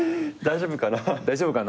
大丈夫かな。